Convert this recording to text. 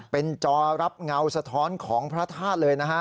เป็นจอรับเงาสะท้อนของพระธาตุเลยนะฮะ